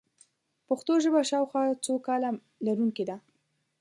پښتو ژبه شاوخوا څو کاله لرونکې ده.